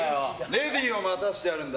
レディーを待たせてあるんだ。